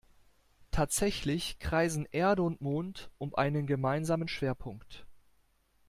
Tatsächlich kreisen Erde und Mond um einen gemeinsamen Schwerpunkt.